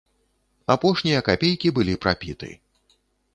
Апошнія капейкі былі прапіты.